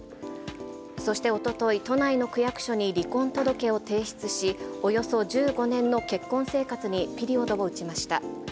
そしておととい、都内の区役所に離婚届を提出し、およそ１５年の結婚生活にピリオドを打ちました。